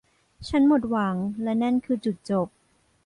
ฉันหมดหวังและนั่นคือจุดจบ